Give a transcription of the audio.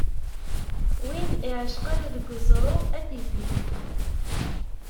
Win iεecqen deg uẓru ad t-ibbib.